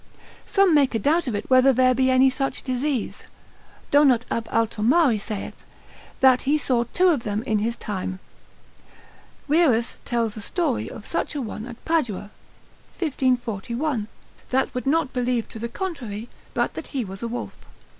Some make a doubt of it whether there be any such disease. Donat ab Altomari saith, that he saw two of them in his time: Wierus tells a story of such a one at Padua 1541, that would not believe to the contrary, but that he was a wolf.